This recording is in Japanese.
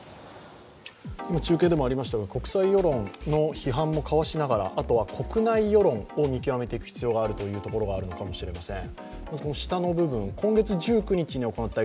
中継でもありましたが、国際世論の批判をかわしならあとは国内世論を見極めていく必要があるというところなのかもしれません。